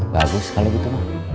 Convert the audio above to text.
bagus kalau gitu